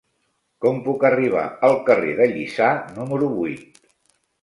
Com puc arribar al carrer de Lliçà número vuit?